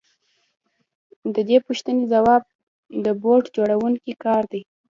د دې پوښتنې ځواب د بوټ جوړونکي کار دی